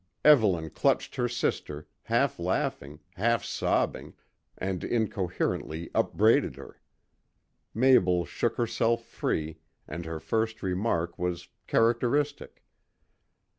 Evelyn clutched her sister, half laughing, half sobbing, and incoherently upbraided her. Mabel shook herself free, and her first remark was characteristic.